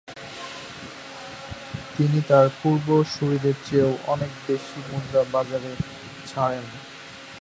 তিনি তার পূর্বসূরীদের চেয়েও অনেক বেশি মুদ্রা বাজারে ছাড়েন।